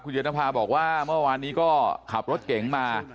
เจนภาบอกว่าเมื่อวานนี้ก็ขับรถเก๋งมา